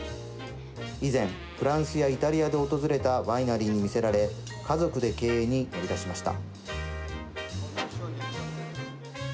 以前、フランスやイタリアで訪れたワイナリーに魅せられ家族で経営に乗り出しました。